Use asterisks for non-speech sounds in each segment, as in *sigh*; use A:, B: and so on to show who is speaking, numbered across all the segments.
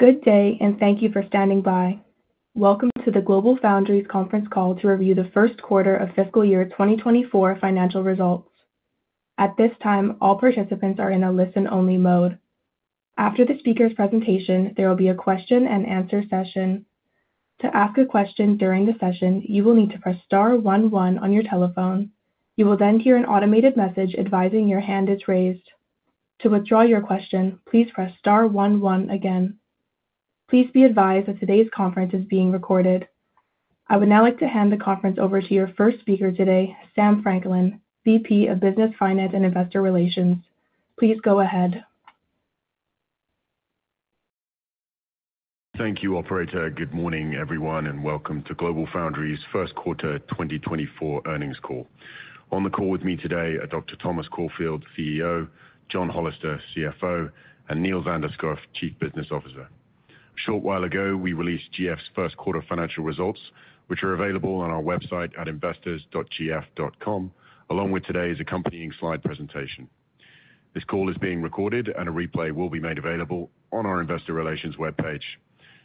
A: Good day, and thank you for standing by. Welcome to the GlobalFoundries conference call to review the first quarter of fiscal year 2024 financial results. At this time, all participants are in a listen-only mode. After the speaker's presentation, there will be a question-and-answer session. To ask a question during the session, you will need to press star one one on your telephone. You will then hear an automated message advising your hand is raised. To withdraw your question, please press star one one again. Please be advised that today's conference is being recorded. I would now like to hand the conference over to your first speaker today, Sam Franklin, VP of Business Finance and Investor Relations. Please go ahead.
B: Thank you, Operator. Good morning, everyone, and welcome to GlobalFoundries first quarter 2024 earnings call. On the call with me today are Dr. Thomas Caulfield, CEO, John Hollister, CFO, and Niels Anderskouv, Chief Business Officer. A short while ago, we released GF's first quarter financial results, which are available on our website at investors.gf.com, along with today's accompanying slide presentation. This call is being recorded, and a replay will be made available on our investor relations web page.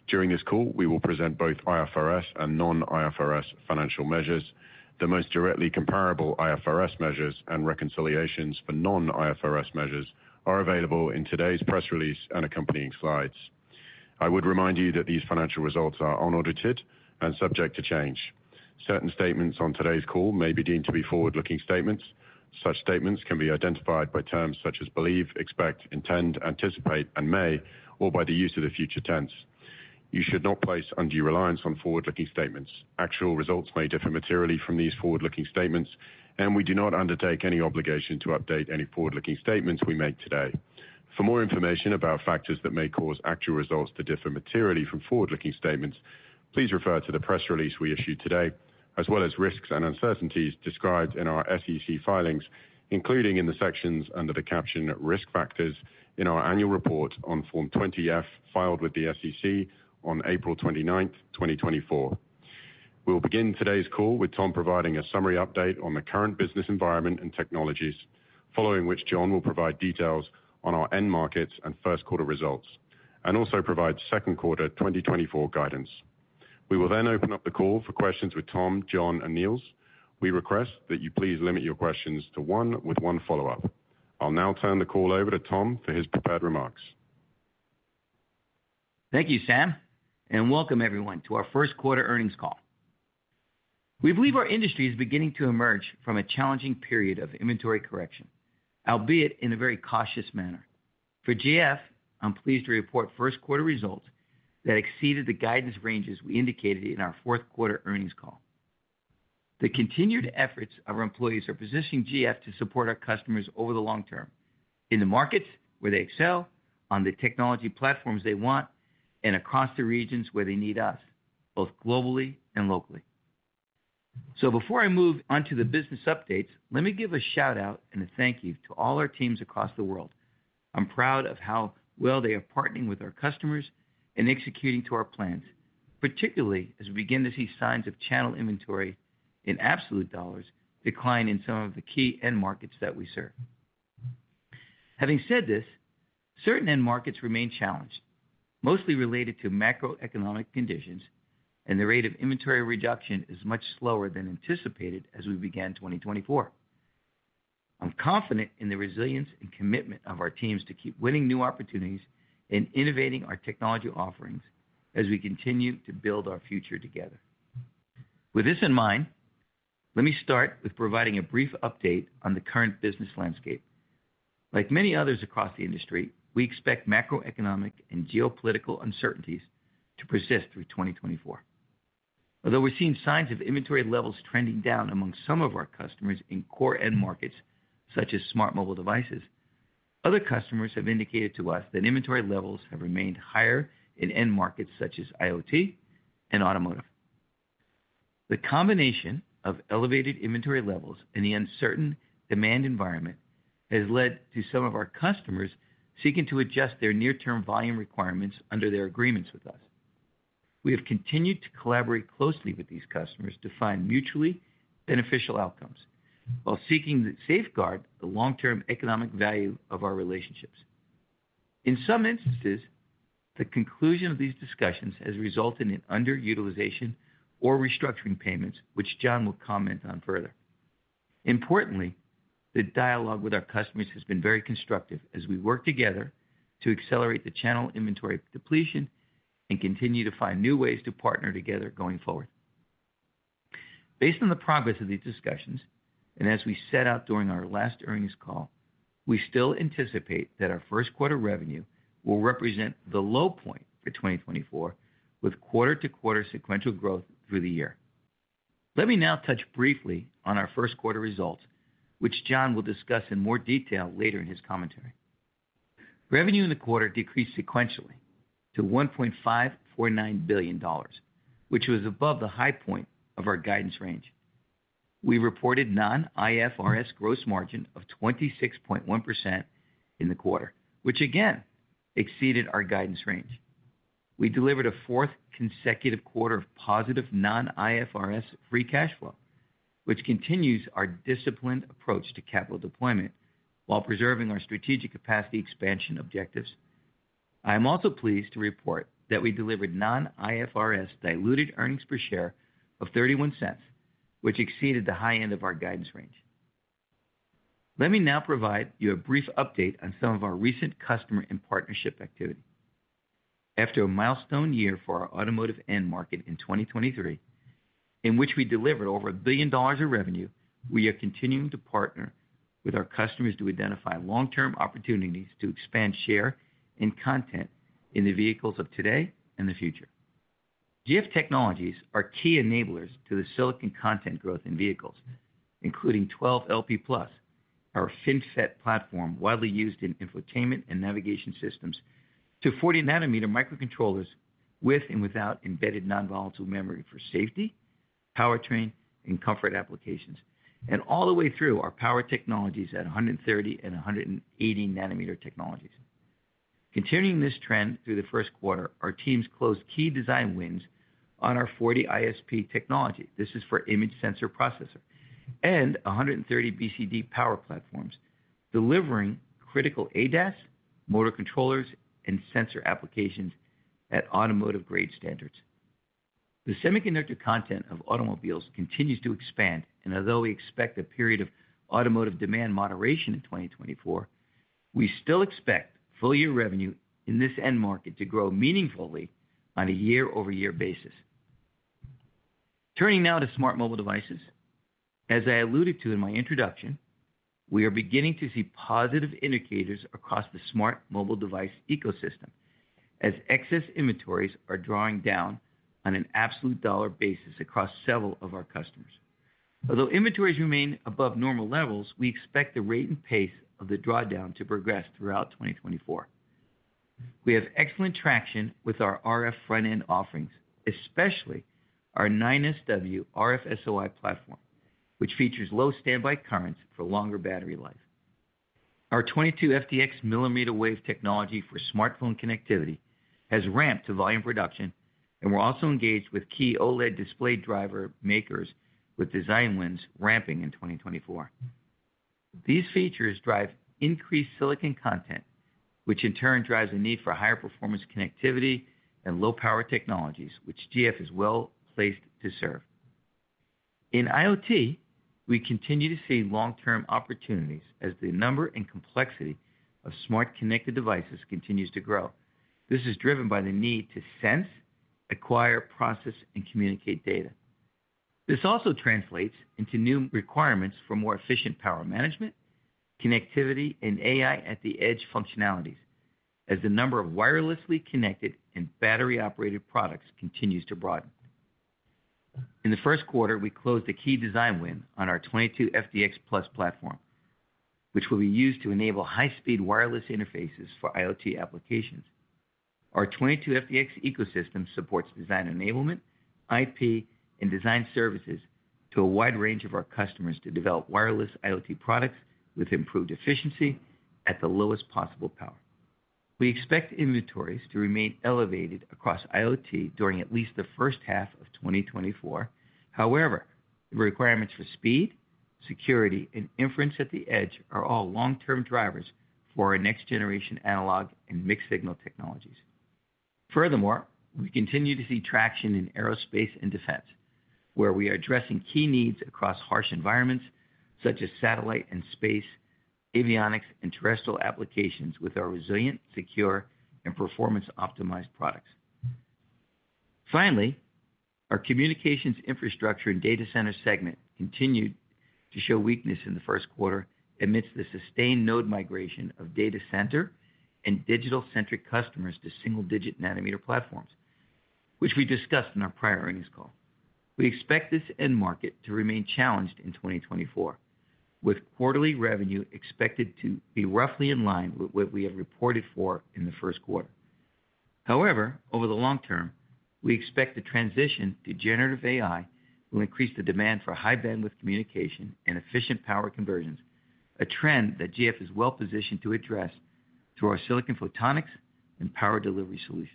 B: During this call, we will present both IFRS and non-IFRS financial measures. The most directly comparable IFRS measures and reconciliations for non-IFRS measures are available in today's press release and accompanying slides. I would remind you that these financial results are unaudited and subject to change. Certain statements on today's call may be deemed to be forward-looking statements. Such statements can be identified by terms such as believe, expect, intend, anticipate, and may, or by the use of the future tense. You should not place undue reliance on forward-looking statements. Actual results may differ materially from these forward-looking statements, and we do not undertake any obligation to update any forward-looking statements we make today. For more information about factors that may cause actual results to differ materially from forward-looking statements, please refer to the press release we issued today, as well as risks and uncertainties described in our SEC filings, including in the sections under the caption "Risk Factors" in our annual report on Form 20-F filed with the SEC on April 29th, 2024. We'll begin today's call with Tom providing a summary update on the current business environment and technologies, following which John will provide details on our end markets and first quarter results, and also provide second quarter 2024 guidance. We will then open up the call for questions with Tom, John, and Niels. We request that you please limit your questions to one with one follow-up. I'll now turn the call over to Tom for his prepared remarks.
C: Thank you, Sam, and welcome, everyone, to our first-quarter earnings call. We believe our industry is beginning to emerge from a challenging period of inventory correction, albeit in a very cautious manner. For GF, I'm pleased to report first quarter results that exceeded the guidance ranges we indicated in our fourth quarter earnings call. The continued efforts of our employees are positioning GF to support our customers over the long term in the markets where they excel, on the technology platforms they want, and across the regions where they need us, both globally and locally. So, before I move on to the business updates, let me give a shout-out and a thank you to all our teams across the world. I'm proud of how well they are partnering with our customers and executing to our plans, particularly as we begin to see signs of channel inventory in absolute dollars decline in some of the key end markets that we serve. Having said this, certain end markets remain challenged, mostly related to macroeconomic conditions, and the rate of inventory reduction is much slower than anticipated as we began 2024. I'm confident in the resilience and commitment of our teams to keep winning new opportunities and innovating our technology offerings as we continue to build our future together. With this in mind, let me start with providing a brief update on the current business landscape. Like many others across the industry, we expect macroeconomic and geopolitical uncertainties to persist through 2024. Although we're seeing signs of inventory levels trending down among some of our customers in core end markets such as smart mobile devices, other customers have indicated to us that inventory levels have remained higher in end markets such as IoT and automotive. The combination of elevated inventory levels and the uncertain demand environment has led to some of our customers seeking to adjust their near-term volume requirements under their agreements with us. We have continued to collaborate closely with these customers to find mutually beneficial outcomes while seeking to safeguard the long-term economic value of our relationships. In some instances, the conclusion of these discussions has resulted in underutilization or restructuring payments, which John will comment on further. Importantly, the dialogue with our customers has been very constructive as we work together to accelerate the channel inventory depletion and continue to find new ways to partner together going forward. Based on the progress of these discussions and as we set out during our last earnings call, we still anticipate that our first quarter revenue will represent the low point for 2024 with quarter-to-quarter sequential growth through the year. Let me now touch briefly on our first quarter results, which John will discuss in more detail later in his commentary. Revenue in the quarter decreased sequentially to $1.549 billion, which was above the high point of our guidance range. We reported non-IFRS gross margin of 26.1% in the quarter, which again exceeded our guidance range. We delivered a fourth consecutive quarter of positive non-IFRS free cash flow, which continues our disciplined approach to capital deployment while preserving our strategic capacity expansion objectives. I am also pleased to report that we delivered non-IFRS diluted earnings per share of $0.31, which exceeded the high end of our guidance range. Let me now provide you a brief update on some of our recent customer and partnership activity. After a milestone year for our automotive end market in 2023, in which we delivered over $1 billion of revenue, we are continuing to partner with our customers to identify long-term opportunities to expand share and content in the vehicles of today and the future. GlobalFoundries are key enablers to the silicon content growth in vehicles, including 12LP+, our FinFET platform widely used in infotainment and navigation systems, to 40-nanometer microcontrollers with and without embedded non-volatile memory for safety, powertrain, and comfort applications, and all the way through our power technologies at 130- and 180-nanometer technologies. Continuing this trend through the first quarter, our teams closed key design wins on our 40 ISP technology (this is for image sensor processor) and 130 BCD power platforms, delivering critical ADAS, motor controllers, and sensor applications at automotive-grade standards. The semiconductor content of automobiles continues to expand, and although we expect a period of automotive demand moderation in 2024, we still expect full-year revenue in this end market to grow meaningfully on a year-over-year basis. Turning now to smart mobile devices. As I alluded to in my introduction, we are beginning to see positive indicators across the smart mobile device ecosystem as excess inventories are drawing down on an absolute dollar basis across several of our customers. Although inventories remain above normal levels, we expect the rate and pace of the drawdown to progress throughout 2024. We have excellent traction with our RF front-end offerings, especially our 9SW RFSOI platform, which features low standby currents for longer battery life. Our 22FDX millimeter-wave technology for smartphone connectivity has ramped to volume production, and we're also engaged with key OLED display driver makers with design wins ramping in 2024. These features drive increased silicon content, which in turn drives a need for higher performance connectivity and low-power technologies, which GF is well placed to serve. In IoT, we continue to see long-term opportunities as the number and complexity of smart connected devices continues to grow. This is driven by the need to sense, acquire, process, and communicate data. This also translates into new requirements for more efficient power management, connectivity, and AI at the edge functionalities as the number of wirelessly connected and battery-operated products continues to broaden. In the first quarter, we closed a key design win on our 22FDX+ platform, which will be used to enable high-speed wireless interfaces for IoT applications. Our 22FDX+ ecosystem supports design enablement, IP, and design services to a wide range of our customers to develop wireless IoT products with improved efficiency at the lowest possible power. We expect inventories to remain elevated across IoT during at least the first half of 2024. However, the requirements for speed, security, and inference at the edge are all long-term drivers for our next-generation analog and mixed-signal technologies. Furthermore, we continue to see traction in aerospace and defense, where we are addressing key needs across harsh environments such as satellite and space, avionics, and terrestrial applications with our resilient, secure, and performance-optimized products. Finally, our communications infrastructure and data center segment continued to show weakness in the first quarter amidst the sustained node migration of data center and digital-centric customers to single-digit nanometer platforms, which we discussed in our prior earnings call. We expect this end market to remain challenged in 2024, with quarterly revenue expected to be roughly in line with what we have reported for in the first quarter. However, over the long term, we expect the transition to generative AI will increase the demand for high-bandwidth communication and efficient power conversions, a trend that GF is well positioned to address through our silicon photonics and power delivery solutions.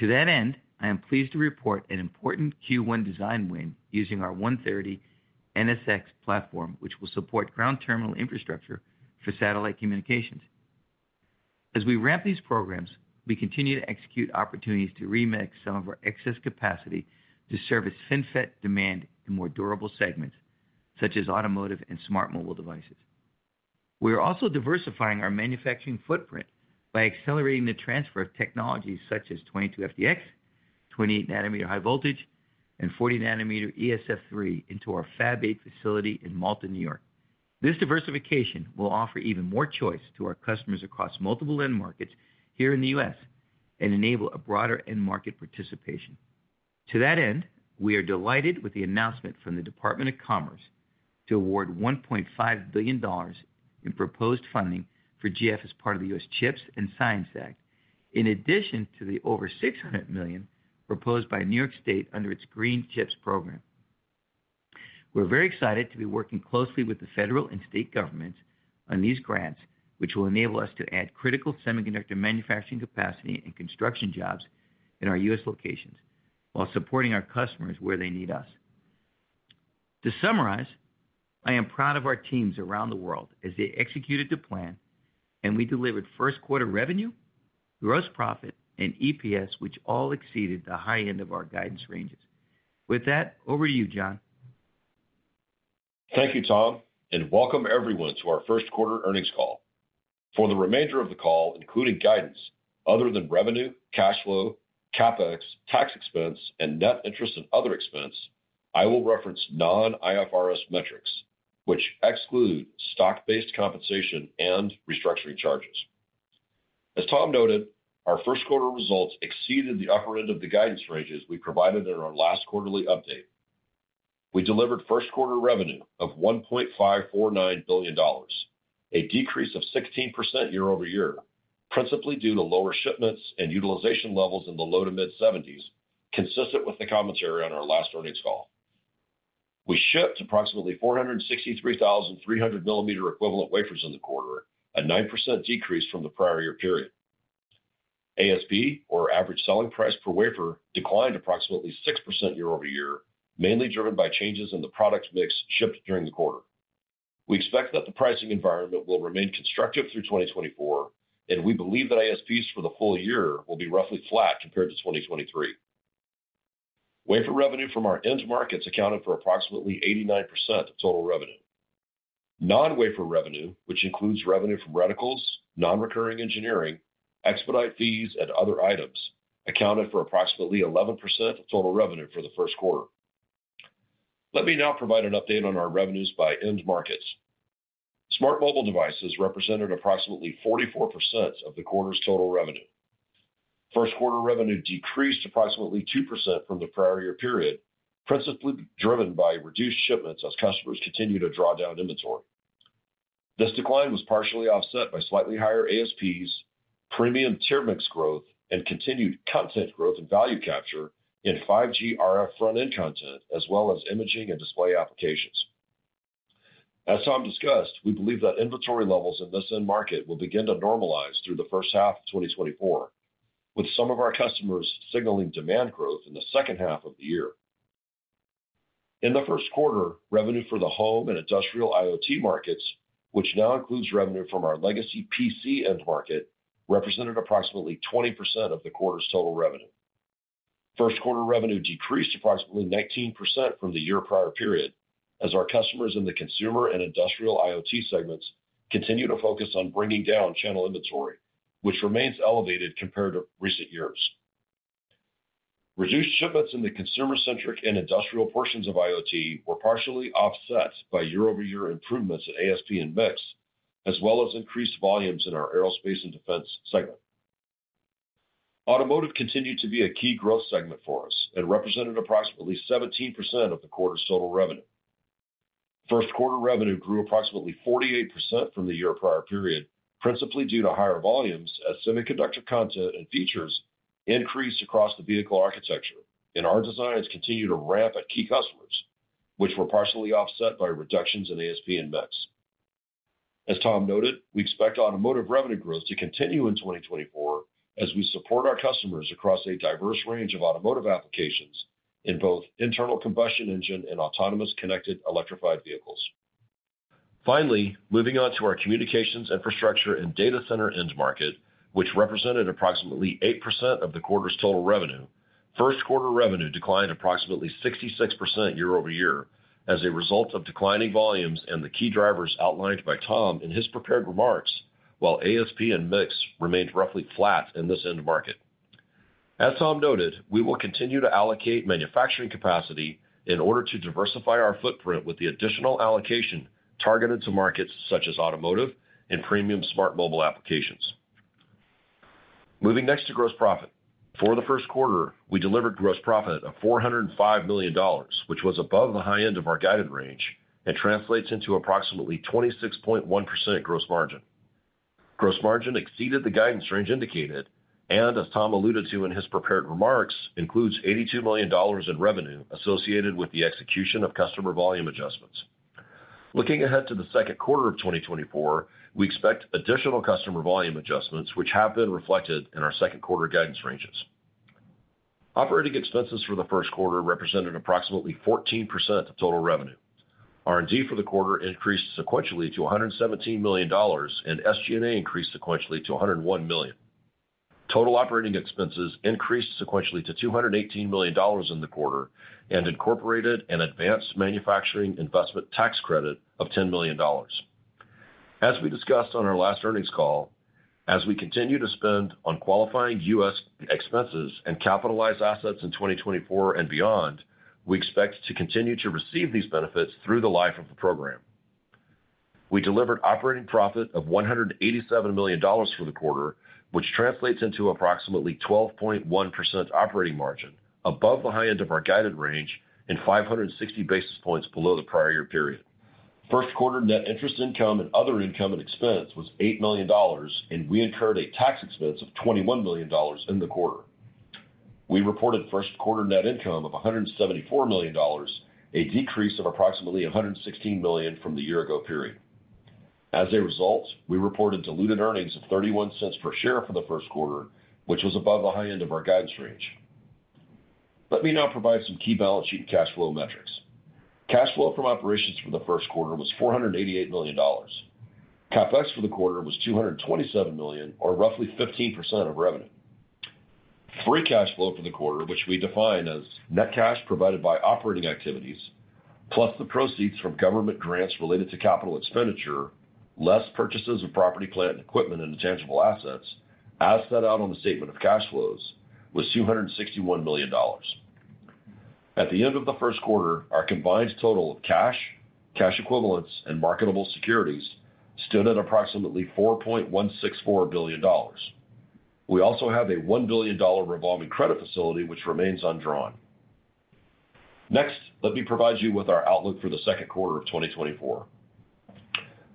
C: To that end, I am pleased to report an important Q1 design win using our 130NSX platform, which will support ground terminal infrastructure for satellite communications. As we ramp these programs, we continue to execute opportunities to remix some of our excess capacity to service FinFET demand in more durable segments such as automotive and smart mobile devices. We are also diversifying our manufacturing footprint by accelerating the transfer of technologies such as 22FDX, 28nm high voltage, and 40nm ESF3 into our Fab 8 facility in Malta, New York. This diversification will offer even more choice to our customers across multiple end markets here in the U.S. and enable a broader end market participation. To that end, we are delighted with the announcement from the Department of Commerce to award $1.5 billion in proposed funding for GF as part of the U.S. CHIPS and Science Act, in addition to the over $600 million proposed by New York State under its Green CHIPS program. We're very excited to be working closely with the federal and state governments on these grants, which will enable us to add critical semiconductor manufacturing capacity and construction jobs in our U.S. locations while supporting our customers where they need us. To summarize, I am proud of our teams around the world as they executed the plan, and we delivered first-quarter revenue, gross profit, and EPS, which all exceeded the high end of our guidance ranges. With that, over to you, John.
D: Thank you, Tom, and welcome everyone to our first-quarter earnings call. For the remainder of the call, including guidance other than revenue, cash flow, CapEx, tax expense, and net interest and other expense, I will reference non-IFRS metrics, which exclude stock-based compensation and restructuring charges. As Tom noted, our first-quarter results exceeded the upper end of the guidance ranges we provided in our last quarterly update. We delivered first quarter revenue of $1.549 billion, a decrease of 16% year-over-year, principally due to lower shipments and utilization levels in the low to mid-70s, consistent with the commentary on our last earnings call. We shipped approximately 463 thousand 300-millimeter equivalent wafers in the quarter, a 9% decrease from the prior year period. ASP, or average selling price per wafer, declined approximately 6% year-over-year, mainly driven by changes in the product mix shipped during the quarter. We expect that the pricing environment will remain constructive through 2024, and we believe that ASPs for the full year will be roughly flat compared to 2023. Wafer revenue from our end markets accounted for approximately 89% of total revenue. Non-wafer revenue, which includes revenue from reticles, non-recurring engineering, expedite fees, and other items, accounted for approximately 11% of total revenue for the first quarter. Let me now provide an update on our revenues by end markets. Smart mobile devices represented approximately 44% of the quarter's total revenue. First quarter revenue decreased approximately 2% from the prior year period, principally driven by reduced shipments as customers continued to draw down inventory. This decline was partially offset by slightly higher ASPs, premium tier mix growth, and continued content growth and value capture in 5G RF front-end content as well as imaging and display applications. As Tom discussed, we believe that inventory levels in this end market will begin to normalize through the first half of 2024, with some of our customers signaling demand growth in the second half of the year. In the first quarter, revenue for the home and industrial IoT markets, which now includes revenue from our legacy PC end market, represented approximately 20% of the quarter's total revenue. First-quarter revenue decreased approximately 19% from the year prior period as our customers in the consumer and industrial IoT segments continue to focus on bringing down channel inventory, which remains elevated compared to recent years. Reduced shipments in the consumer-centric and industrial portions of IoT were partially offset by year-over-year improvements in ASP and mix, as well as increased volumes in our aerospace and defense segment. Automotive continued to be a key growth segment for us and represented approximately 17% of the quarter's total revenue. First quarter revenue grew approximately 48% from the year prior period, principally due to higher volumes as semiconductor content and features increased across the vehicle architecture, and our designs continued to ramp at key customers, which were partially offset by reductions in ASP and mix. As Tom noted, we expect automotive revenue growth to continue in 2024 as we support our customers across a diverse range of automotive applications in both internal combustion engine and autonomous connected electrified vehicles. Finally, moving on to our communications infrastructure and data center end market, which represented approximately 8% of the quarter's total revenue, first-quarter revenue declined approximately 66% year-over-year as a result of declining volumes and the key drivers outlined by Tom in his prepared remarks, while ASP and mix remained roughly flat in this end market. As Tom noted, we will continue to allocate manufacturing capacity in order to diversify our footprint with the additional allocation targeted to markets such as automotive and premium smart mobile applications. Moving next to gross profit. For the first quarter, we delivered gross profit of $405 million, which was above the high end of our guided range and translates into approximately 26.1% gross margin. Gross margin exceeded the guidance range indicated and, as Tom alluded to in his prepared remarks, includes $82 million in revenue associated with the execution of customer volume adjustments. Looking ahead to the second-quarter of 2024, we expect additional customer volume adjustments, which have been reflected in our second quarter guidance ranges. Operating expenses for the first quarter represented approximately 14% of total revenue. R&D for the quarter increased sequentially to $117 million, and SG&A increased sequentially to $101 million. Total operating expenses increased sequentially to $218 million in the quarter and incorporated an advanced manufacturing investment tax credit of $10 million. As we discussed on our last earnings call, as we continue to spend on qualifying U.S. expenses and capitalize assets in 2024 and beyond, we expect to continue to receive these benefits through the life of the program. We delivered operating profit of $187 million for the quarter, which translates into approximately 12.1% operating margin above the high end of our guided range and 560 basis points below the prior year period. First quarter net interest income and other income and expense was $8 million, and we incurred a tax expense of $21 million in the quarter. We reported first-quarter net income of $174 million, a decrease of approximately $116 million from the year ago period. As a result, we reported diluted earnings of $0.31 per share for the first quarter, which was above the high end of our guidance range. Let me now provide some key balance sheet and cash flow metrics. Cash flow from operations for the first quarter was $488 million. CapEx for the quarter was $227 million, or roughly 15% of revenue. Free cash flow for the quarter, which we define as net cash provided by operating activities plus the proceeds from government grants related to capital expenditure, less purchases of property, plant, and equipment, and intangible assets, as set out on the statement of cash flows, was $261 million. At the end of the first quarter, our combined total of cash, cash equivalents, and marketable securities stood at approximately $4.164 billion. We also have a $1 billion revolving credit facility, which remains undrawn. Next, let me provide you with our outlook for the second quarter of 2024.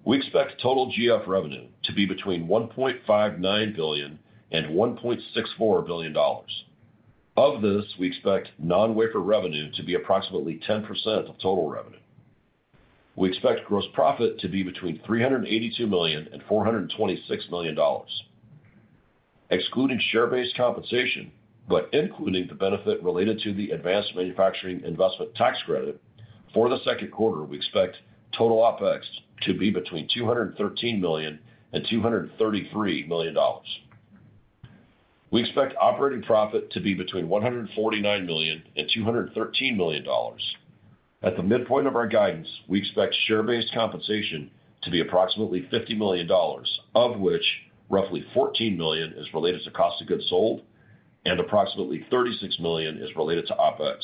D: We expect total GF revenue to be between $1.59 billion and $1.64 billion. Of this, we expect non-wafer revenue to be approximately 10% of total revenue. We expect gross profit to be between $382 million and $426 million. Excluding share-based compensation but including the benefit related to the advanced manufacturing investment tax credit for the second quarter, we expect total OpEx to be between $213 million-$233 million. We expect operating profit to be between $149 million-$213 million. At the midpoint of our guidance, we expect share-based compensation to be approximately $50 million, of which roughly $14 million is related to cost of goods sold and approximately $36 million is related to OpEx.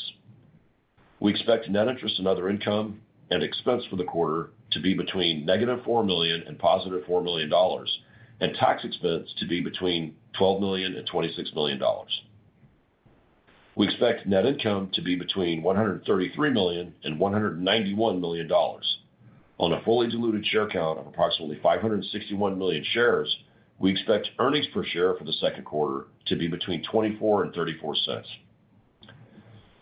D: We expect net interest and other income and expense for the quarter to be between negative $4 million and positive $4 million, and tax expense to be between $12 million-$26 million. We expect net income to be between $133 million-$191 million. On a fully diluted share count of approximately 561 million shares, we expect earnings per share for the second quarter to be between $0.24-$0.34.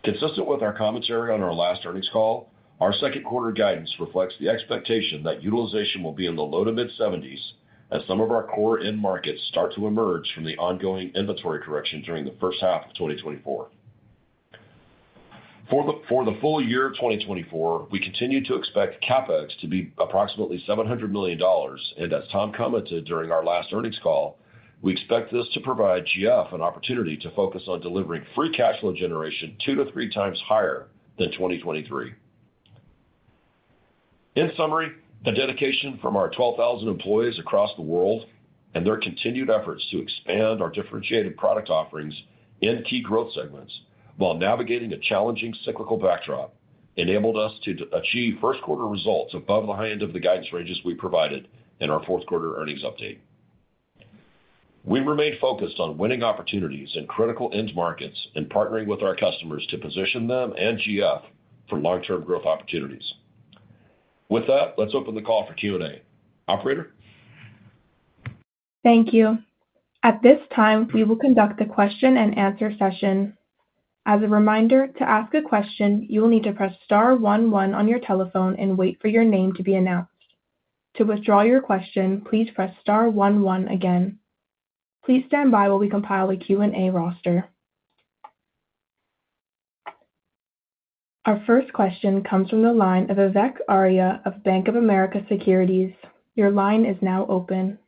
D: Consistent with our commentary on our last earnings call, our second quarter guidance reflects the expectation that utilization will be in the low to mid-70s as some of our core end markets start to emerge from the ongoing inventory correction during the first half of 2024. For the full year of 2024, we continue to expect CapEx to be approximately $700 million, and as Tom commented during our last earnings call, we expect this to provide GF an opportunity to focus on delivering free cash flow generation two to three times higher than 2023. In summary, the dedication from our 12,000 employees across the world and their continued efforts to expand our differentiated product offerings in key growth segments while navigating a challenging cyclical backdrop enabled us to achieve first quarter results above the high end of the guidance ranges we provided in our fourth quarter earnings update. We remain focused on winning opportunities in critical end markets and partnering with our customers to position them and GF for long-term growth opportunities. With that, let's open the call for Q&A. Operator.
A: Thank you. At this time, we will conduct the question and answer session. As a reminder, to ask a question, you will need to press star one one on your telephone and wait for your name to be announced. To withdraw your question, please press star one one again. Please stand by while we compile a Q&A roster. Our first question comes from the line of Vivek Arya of Bank of America Securities. Your line is now open.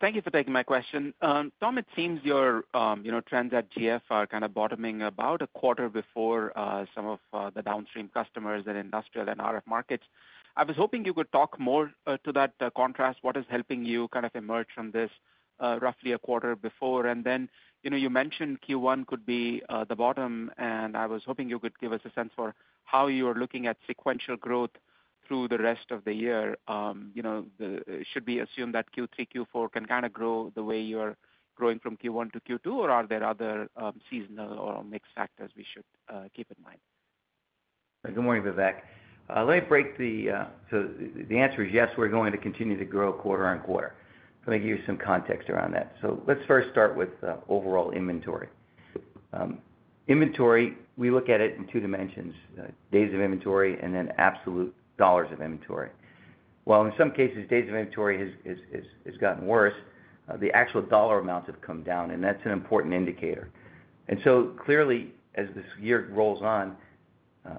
E: Thank you for taking my question. Tom, it seems your trends at GF are kind of bottoming about a quarter before some of the downstream customers and industrial and RF markets. I was hoping you could talk more to that contrast. What is helping you kind of emerge from this roughly a quarter before? And then you mentioned Q1 could be the bottom, and I was hoping you could give us a sense for how you are looking at sequential growth through the rest of the year. Should we assume that Q3, Q4 can kind of grow the way you are growing from Q1 to Q2, or are there other seasonal or mixed factors we should keep in mind?
C: Good morning, Vivek. Let me break. The answer is yes, we're going to continue to grow quarter-over-quarter. Let me give you some context around that. Let's first start with overall inventory. Inventory, we look at it in two dimensions: days of inventory and then absolute dollars of inventory. While in some cases, days of inventory has gotten worse, the actual dollar amounts have come down, and that's an important indicator. So, clearly, as this year rolls on,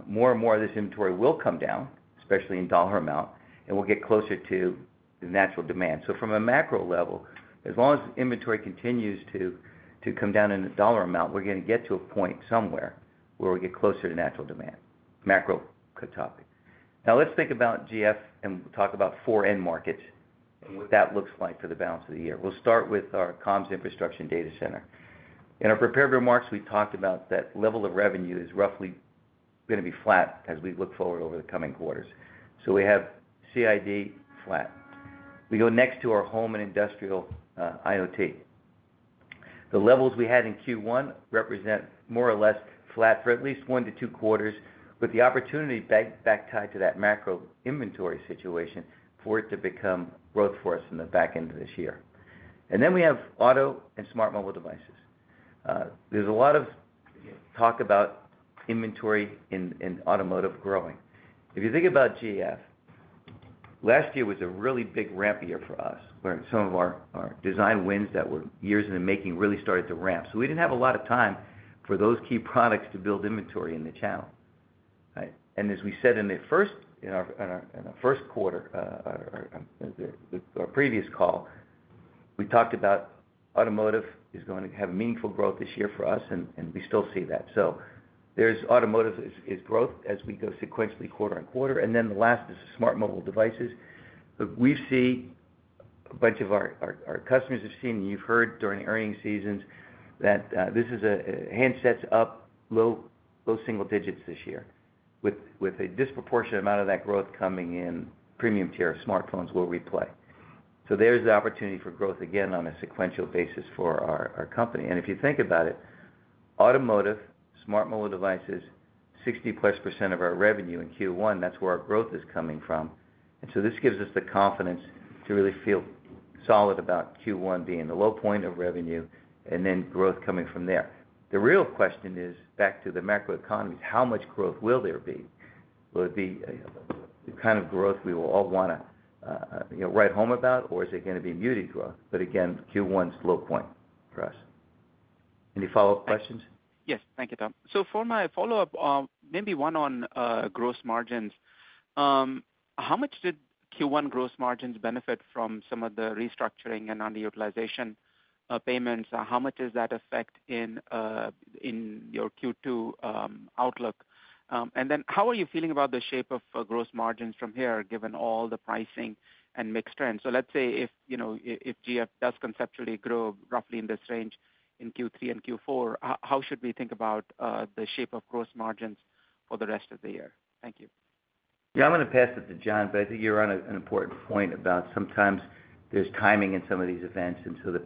C: more and more of this inventory will come down, especially in dollar amount, and we'll get closer to the natural demand. So, from a macro level, as long as inventory continues to come down in dollar amount, we're going to get to a point somewhere where we get closer to natural demand. Macro topic. Now, let's think about GF and talk about four end markets and what that looks like for the balance of the year. We'll start with our comms infrastructure and data center. In our prepared remarks, we talked about that level of revenue is roughly going to be flat as we look forward over the coming quarters. So, we have CID flat. We go next to our home and industrial IoT. The levels we had in Q1 represent more or less flat for at least one to two quarters, with the opportunity back tied to that macro inventory situation for it to become growth for us in the back end of this year. And then we have auto and smart mobile devices. There's a lot of talk about inventory in automotive growing. If you think about GF, last year was a really big ramp year for us, where some of our design wins that were years in the making really started to ramp. So, we didn't have a lot of time for those key products to build inventory in the channel. And as we said in our first quarter previous call, we talked about automotive is going to have meaningful growth this year for us, and we still see that. So, automotive is growth as we go sequentially quarter on quarter. And then the last is smart mobile devices. We've seen a bunch of our customers have seen, and you've heard during earnings seasons, that this is a handsets up low single digits this year, with a disproportionate amount of that growth coming in premium tier smartphones will replay. There's the opportunity for growth again on a sequential basis for our company. If you think about it, automotive, smart mobile devices, +60% of our revenue in Q1, that's where our growth is coming from. This gives us the confidence to really feel solid about Q1 being the low point of revenue and then growth coming from there. The real question is, back to the macro economies, how much growth will there be? Will it be the kind of growth we will all want to write home about, or is it going to be muted growth? Again, Q1's low point for us. Any follow-up questions?
E: Yes. Thank you, Tom. So, for my follow-up, maybe one on gross margins. How much did Q1 gross margins benefit from some of the restructuring and underutilization payments? How much does that affect in your Q2 outlook? And then how are you feeling about the shape of gross margins from here, given all the pricing and mixed trends? So, let's say if GF does conceptually grow roughly in this range in Q3 and Q4, how should we think about the shape of gross margins for the rest of the year? Thank you.
C: Yeah, I'm going to pass it to John, but I think you're on an important point about sometimes there's timing in some of these events. And so the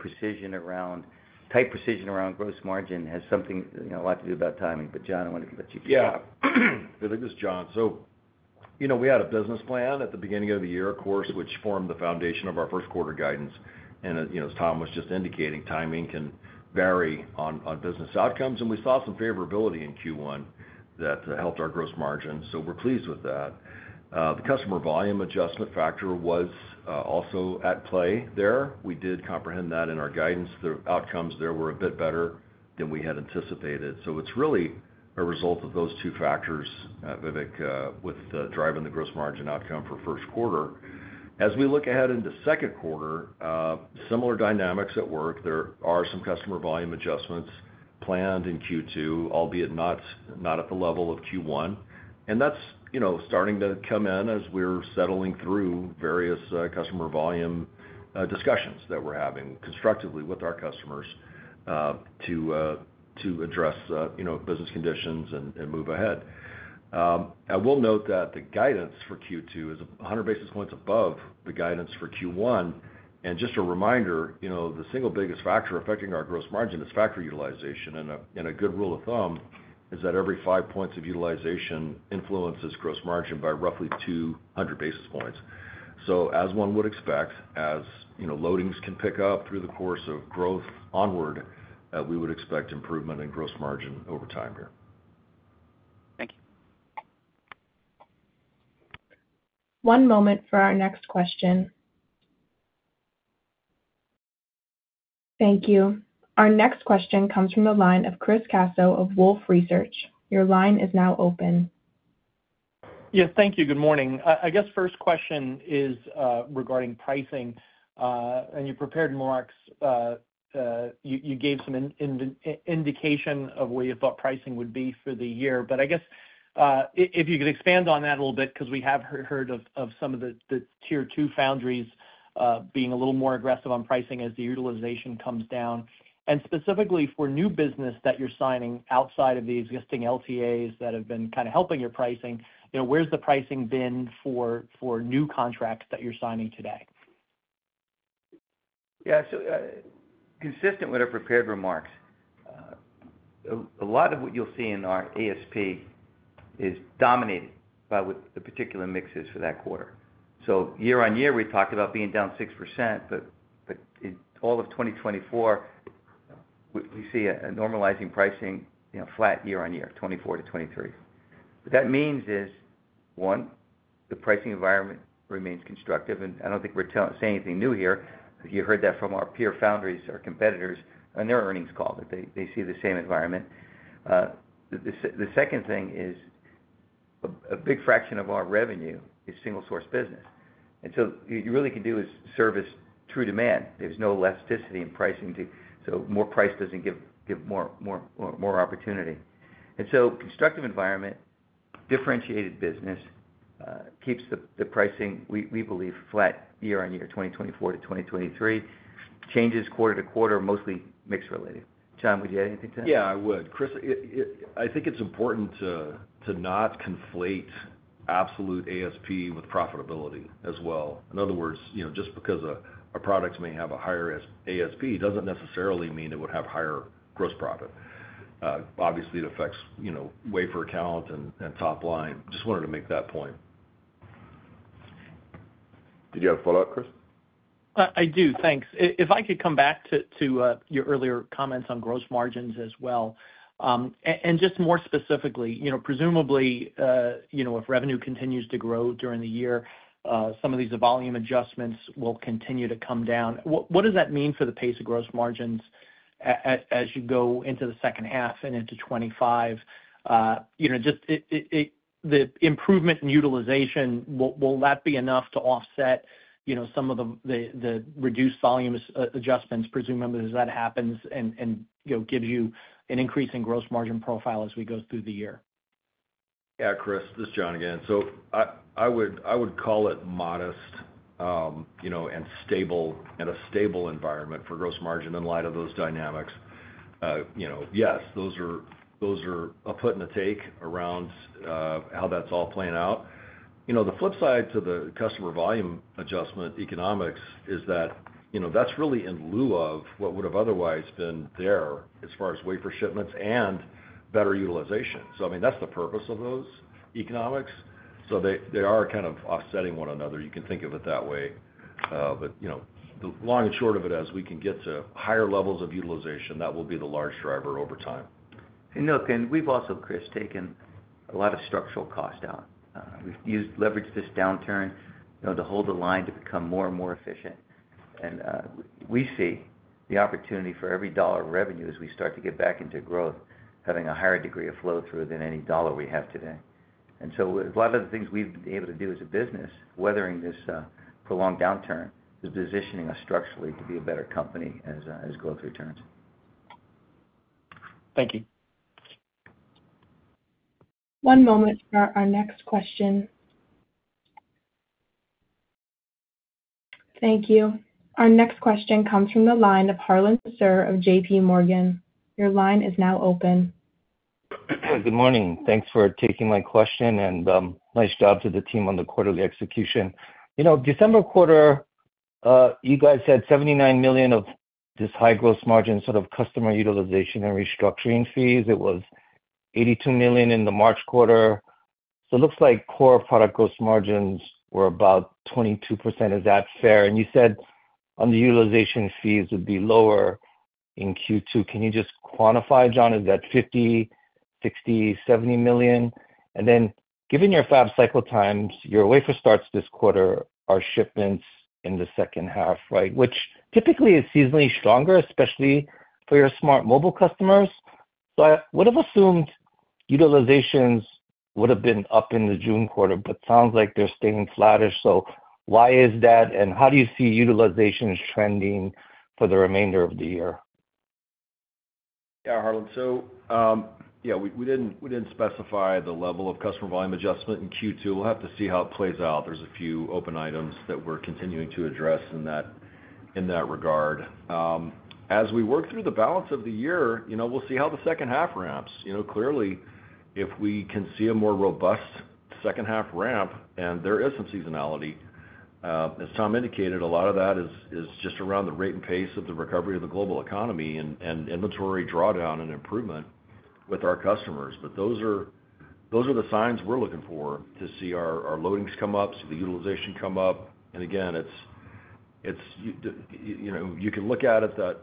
C: tight precision around gross margin has something a lot to do about timing. But John, I wanted to let you keep going.
D: Yeah. The thing is, John, so we had a business plan at the beginning of the year, of course, which formed the foundation of our first quarter guidance. And as Tom was just indicating, timing can vary on business outcomes. And we saw some favorability in Q1 that helped our gross margin, so we're pleased with that. The customer volume adjustment factor was also at play there. We did comprehend that in our guidance. The outcomes there were a bit better than we had anticipated. So, it's really a result of those two factors, Vivek, with driving the gross margin outcome for first quarter. As we look ahead into second quarter, similar dynamics at work. There are some customer volume adjustments planned in Q2, albeit not at the level of Q1. And that's starting to come in as we're settling through various customer volume discussions that we're having constructively with our customers to address business conditions and move ahead. I will note that the guidance for Q2 is 100 basis points above the guidance for Q1. Just a reminder, the single biggest factor affecting our gross margin is factory utilization. And a good rule of thumb is that every five points of utilization influences gross margin by roughly 200 basis points. As one would expect, as loadings can pick up through the course of growth onward, we would expect improvement in gross margin over time here.
E: Thank you.
A: One moment for our next question. Thank you. Our next question comes from the line of Chris Caso of Wolfe Research. Your line is now open.
F: Yeah. Thank you. Good morning. I guess first question is regarding pricing. And your prepared remarks. You gave some indication of where you thought pricing would be for the year. But I guess if you could expand on that a little bit because we have heard of some of the tier two foundries being a little more aggressive on pricing as the utilization comes down. And specifically for new business that you're signing outside of the existing LTAs that have been kind of helping your pricing, where's the pricing been for new contracts that you're signing today?
C: Yeah. So, consistent with our prepared remarks, a lot of what you'll see in our ASP is dominated by the particular mixes for that quarter. So, year-on-year, we talked about being down 6%, but all of 2024, we see a normalizing pricing flat year-on-year, 2024 to 2023. What that means is, one, the pricing environment remains constructive. And I don't think we're saying anything new here. You heard that from our peer foundries, our competitors, and their earnings call that they see the same environment. The second thing is a big fraction of our revenue is single-source business. And so, what you really can do is service true demand. There's no elasticity in pricing, so more price doesn't give more opportunity. And so constructive environment, differentiated business keeps the pricing, we believe, flat year-on-year, 2024 to 2023. Changes quarter-to-quarter are mostly mixed-related. John, would you add anything to that?
D: Yeah, I would. Chris, I think it's important to not conflate absolute ASP with profitability as well. In other words, just because our products may have a higher ASP doesn't necessarily mean it would have higher gross profit. Obviously, it affects wafer account and top line. Just wanted to make that point. Did you have a follow-up, Chris?
F: I do. Thanks. If I could come back to your earlier comments on gross margins as well. Just more specifically, presumably, if revenue continues to grow during the year, some of these volume adjustments will continue to come down. What does that mean for the pace of gross margins as you go into the second half and into 2025? Just the improvement in utilization, will that be enough to offset some of the reduced volume adjustments? Presumably, as that happens, and gives you an increase in gross margin profile as we go through the year?
D: Yeah, Chris. This is John again. So, I would call it modest and stable in a stable environment for gross margin in light of those dynamics. Yes, those are a put and a take around how that's all playing out. The flip side to the customer volume adjustment economics is that that's really in lieu of what would have otherwise been there as far as wafer shipments and better utilization. So, I mean, that's the purpose of those economics. So, they are kind of offsetting one another. You can think of it that way. But the long and short of it, as we can get to higher levels of utilization, that will be the large driver over time.
C: And look, and we've also, Chris, taken a lot of structural cost out. We've leveraged this downturn to hold the line to become more and more efficient. And we see the opportunity for every dollar of revenue as we start to get back into growth having a higher degree of flow-through than any dollar we have today. And so a lot of the things we've been able to do as a business, weathering this prolonged downturn, is positioning us structurally to be a better company as growth returns.
F: Thank you.
A: One moment for our next question. Thank you. Our next question comes from the line of Harlan Sur of JPMorgan. Your line is now open.
G: Good morning. Thanks for taking my question, and nice job to the team on the quarterly execution. December quarter, you guys had $79 million of this high gross margin sort of customer utilization and restructuring fees. It was $82 million in the March quarter. So it looks like core product gross margins were about 22%. Is that fair? And you said on the utilization fees would be lower in Q2. Can you just quantify, John? Is that $50, $60, $70 million? And then given your fab cycle times, your wafer starts this quarter, our shipments in the second half, right, which typically is seasonally stronger, especially for your smart mobile customers. So I would have assumed utilizations would have been up in the June quarter, but sounds like they're staying flattish. So why is that, and how do you see utilizations trending for the remainder of the year?
D: Yeah, Harlan. So yeah, we didn't specify the level of customer volume adjustment in Q2. We'll have to see how it plays out. There's a few open items that we're continuing to address in that regard. As we work through the balance of the year, we'll see how the second half ramps. Clearly, if we can see a more robust second half ramp, and there is some seasonality, as Tom indicated, a lot of that is just around the rate and pace of the recovery of the global economy and inventory drawdown and improvement with our customers. But those are the signs we're looking for to see our loadings come up, see the utilization come up. And again, you can look at it that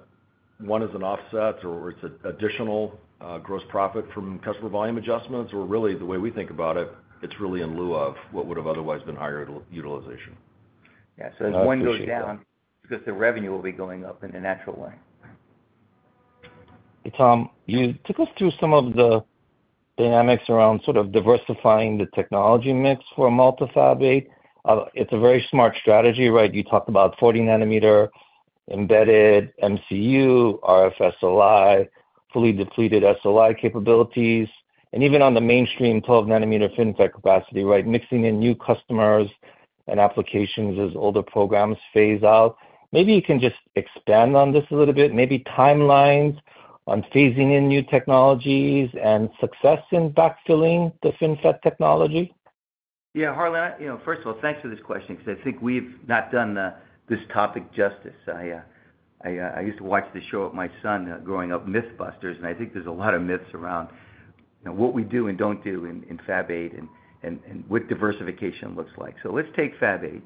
D: one is an offset or it's additional gross profit from customer volume adjustments. Or really, the way we think about it, it's really in lieu of what would have otherwise been higher utilization.
C: Yeah. *crosstalk* So as one goes down, it's because the revenue will be going up in a natural way.
G: Tom, you took us through some of the dynamics around sort of diversifying the technology mix for a multi-Fab 8. It's a very smart strategy, right? You talked about 40-nanometer embedded MCU, RFSOI, fully depleted SOI capabilities. Even on the mainstream 12-nanometer FinFET capacity, right, mixing in new customers and applications as older programs phase out. Maybe you can just expand on this a little bit. Maybe timelines on phasing in new technologies and success in backfilling the FinFET technology?
C: Yeah. Harlan, first of all, thanks for this question because I think we've not done this topic justice. I used to watch the show with my son growing up, MythBusters, and I think there's a lot of myths around what we do and don't do in Fab 8 and what diversification looks like. So let's take Fab 8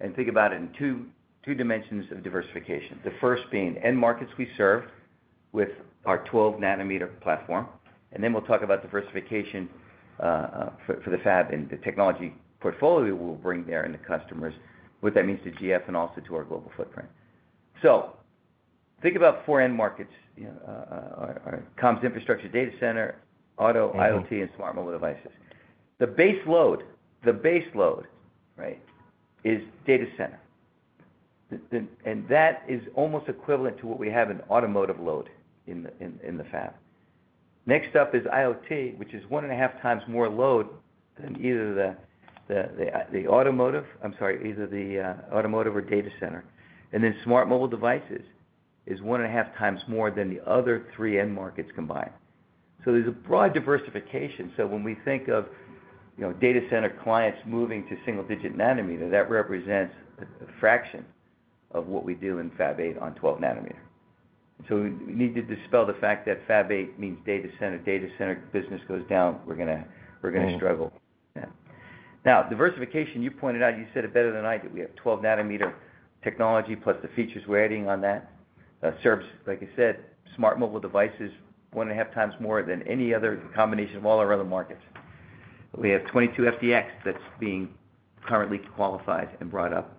C: and think about it in two dimensions of diversification. The first being end markets we serve with our 12-nanometer platform. And then we'll talk about diversification for the fab and the technology portfolio we'll bring there and the customers, what that means to GF and also to our global footprint. So think about four end markets: comms, infrastructure, data center, auto, IoT, and smart mobile devices. The base load, right, is data center. And that is almost equivalent to what we have in automotive load in the fab. Next up is IoT, which is 1.5 times more load than either the automotive. I'm sorry, either the automotive or data center. And then smart mobile devices is 1.5 times more than the other three end markets combined. So there's a broad diversification. So when we think of data center clients moving to single-digit nanometer, that represents a fraction of what we do in Fab 8 on 12-nm. And so we need to dispel the fact that Fab 8 means data center. Data center business goes down, we're going to struggle with that. Now, diversification, you pointed out, you said it better than I did. We have 12-nm technology plus the features we're adding on that. Serves, like I said, smart mobile devices 1.5 times more than any other combination of all our other markets. We have 22FDX that's being currently qualified and brought up,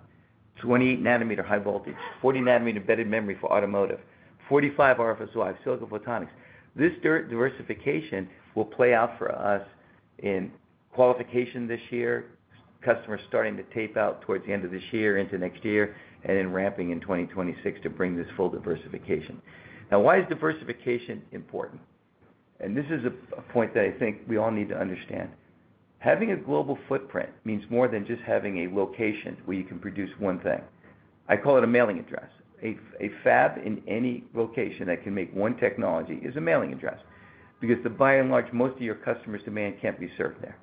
C: 28nm High Voltage, 40nm embedded memory for automotive, 45RFSOI, Silicon Photonics. This diversification will play out for us in qualification this year, customers starting to tape out towards the end of this year into next year, and then ramping in 2026 to bring this full diversification. Now, why is diversification important? And this is a point that I think we all need to understand. Having a global footprint means more than just having a location where you can produce one thing. I call it a mailing address. A fab in any location that can make one technology is a mailing address because by and large, most of your customers' demand can't be served there.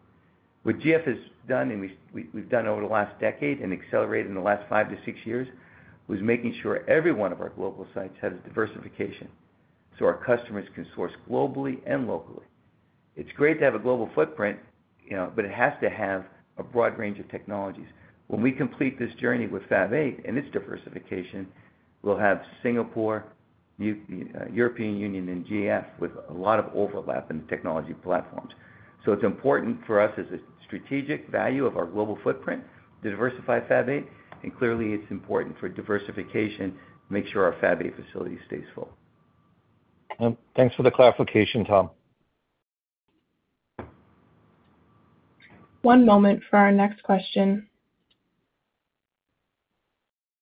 C: What GF has done, and we've done over the last decade and accelerated in the last five to six years, was making sure every one of our global sites has diversification so our customers can source globally and locally. It's great to have a global footprint, but it has to have a broad range of technologies. When we complete this journey with Fab 8 and its diversification, we'll have Singapore, European Union, and GF with a lot of overlap in the technology platforms. So it's important for us as a strategic value of our global footprint to diversify Fab 8. Clearly, it's important for diversification to make sure our Fab 8 facility stays full.
G: Thanks for the clarification, Tom.
A: One moment for our next question.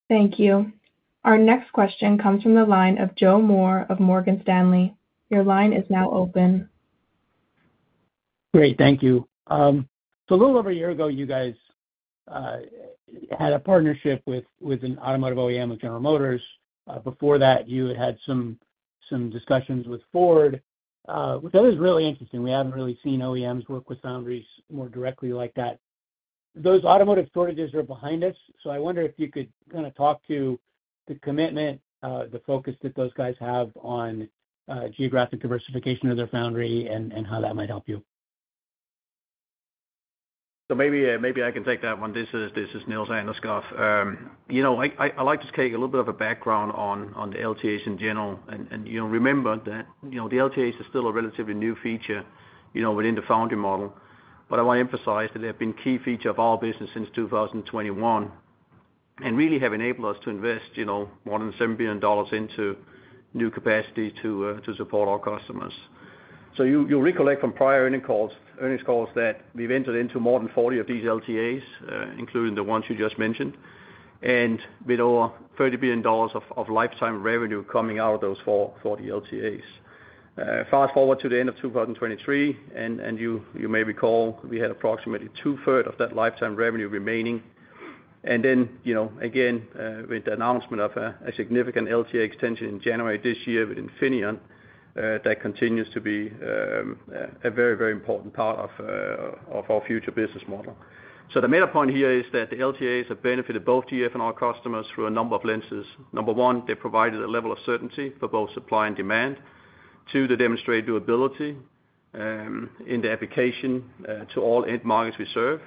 A: Thank you. Our next question comes from the line of Joe Moore of Morgan Stanley. Your line is now open.
H: Great. Thank you. So a little over a year ago, you guys had a partnership with an automotive OEM of General Motors. Before that, you had had some discussions with Ford, which I think is really interesting. We haven't really seen OEMs work with foundries more directly like that. Those automotive shortages are behind us. So I wonder if you could kind of talk to the commitment, the focus that those guys have on geographic diversification of their foundry and how that might help you?
I: So maybe I can take that one. This is Niels Anderskouv. I'd like to take a little bit of a background on the LTAs in general. Remember that the LTAs are still a relatively new feature within the foundry model. I want to emphasize that they have been a key feature of our business since 2021 and really have enabled us to invest more than $7 billion into new capacity to support our customers. You'll recollect from prior earnings calls that we've entered into more than 40 of these LTAs, including the ones you just mentioned, and with over $30 billion of lifetime revenue coming out of those 40 LTAs. Fast forward to the end of 2023, and you may recall we had approximately two-thirds of that lifetime revenue remaining. And then again, with the announcement of a significant LTA extension in January this year with Infineon, that continues to be a very, very important part of our future business model. So the main point here is that the LTAs have benefited both GF and our customers through a number of lenses. Number one, they provided a level of certainty for both supply and demand. Two, they demonstrate durability in the application to all end markets we serve.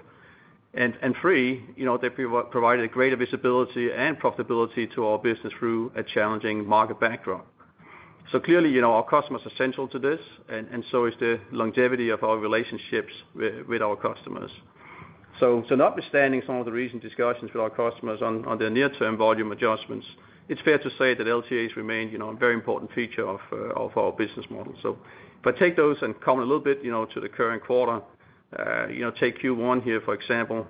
I: And three, they provided greater visibility and profitability to our business through a challenging market backdrop. So clearly, our customers are central to this, and so is the longevity of our relationships with our customers. So in understanding some of the recent discussions with our customers on their near-term volume adjustments, it's fair to say that LTAs remain a very important feature of our business model. So if I take those and comment a little bit to the current quarter, take Q1 here, for example,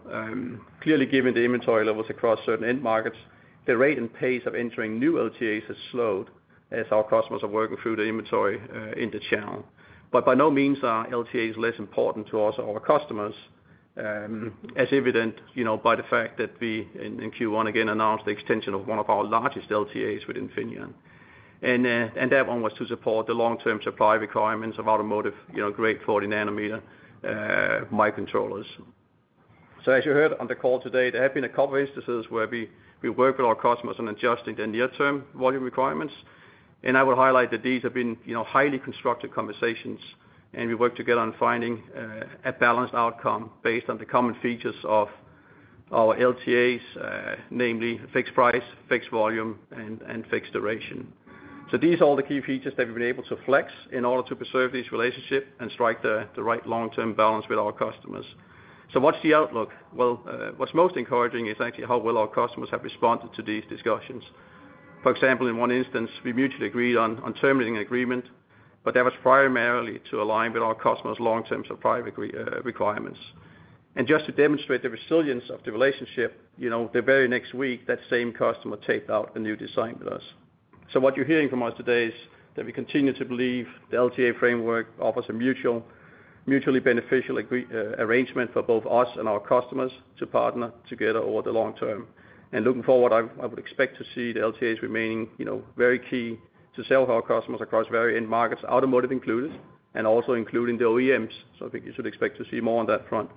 I: clearly given the inventory levels across certain end markets, the rate and pace of entering new LTAs has slowed as our customers are working through the inventory in the channel. But by no means are LTAs less important to us or our customers, as evident by the fact that we, in Q1, again, announced the extension of one of our largest LTAs with Infineon. And that one was to support the long-term supply requirements of automotive grade 40-nanometer microcontrollers. So as you heard on the call today, there have been a couple of instances where we worked with our customers on adjusting their near-term volume requirements. I would highlight that these have been highly constructed conversations, and we worked together on finding a balanced outcome based on the common features of our LTAs, namely fixed price, fixed volume, and fixed duration. So these are all the key features that we've been able to flex in order to preserve this relationship and strike the right long-term balance with our customers. So what's the outlook? Well, what's most encouraging is actually how well our customers have responded to these discussions. For example, in one instance, we mutually agreed on terminating an agreement. But that was primarily to align with our customers' long-term supply requirements. And just to demonstrate the resilience of the relationship, the very next week, that same customer taped out a new design with us. So what you're hearing from us today is that we continue to believe the LTA framework offers a mutually beneficial arrangement for both us and our customers to partner together over the long term. And looking forward, I would expect to see the LTAs remaining very key to sell to our customers across various end markets, automotive included, and also including the OEMs. So I think you should expect to see more on that front.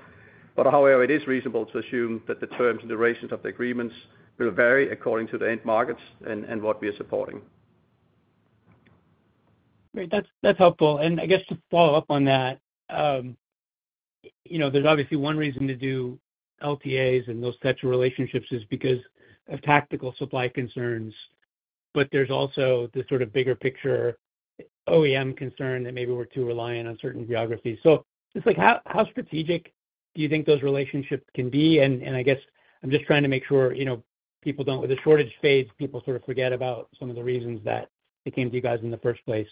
I: But however, it is reasonable to assume that the terms and durations of the agreements will vary according to the end markets and what we are supporting.
H: Great. That's helpful. And I guess to follow up on that, there's obviously one reason to do LTAs and those types of relationships is because of tactical supply concerns. But there's also the sort of bigger picture OEM concern that maybe we're too reliant on certain geographies. So just how strategic do you think those relationships can be? And I guess I'm just trying to make sure people don't with a shortage phase, people sort of forget about some of the reasons that they came to you guys in the first place.